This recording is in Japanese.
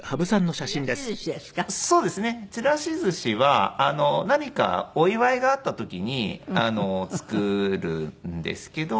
散らしずしは何かお祝いがあった時に作るんですけど。